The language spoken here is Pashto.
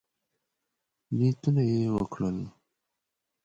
نیتونه یې وکړل.